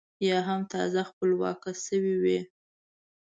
یا هم تازه خپلواکه شوې وي.